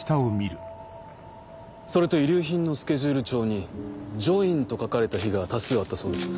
それと遺留品のスケジュール帳に「ジョイン！」と書かれた日が多数あったそうです。